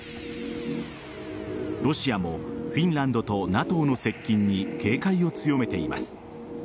ロシアもフィンランドとＮＡＴＯの接近に警戒を強めています。